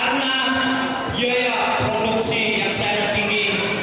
karena biaya produksi yang saya tinggi